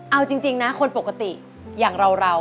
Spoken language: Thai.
เอาจริงนะคนปกติอย่างเรา